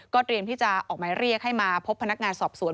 เตรียมที่จะออกหมายเรียกให้มาพบพนักงานสอบสวน